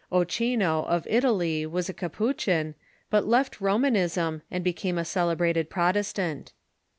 Ochino, of Italy, was a Capuchin, but left Romanism, and be came a celebrated Protestant.